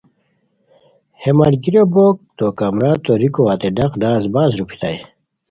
ہے ملگیریو بوک تو کمرا توریکو ہتے ڈاق ڈازباز روپھیتائے